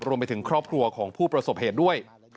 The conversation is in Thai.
รวมไปถึงครอบครัวของผู้ประสบเหตุด้วย